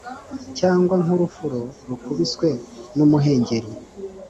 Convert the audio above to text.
cyangwa nk’urufuro rukubiswe n’umuhengeri;